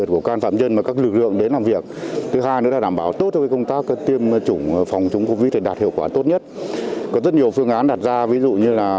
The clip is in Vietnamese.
trách nhiệm của các lực lượng tham gia để triển khai thực hiện thống nhất hiệu quả